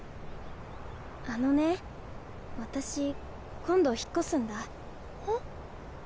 あのね私今度引っ越すんだ。え？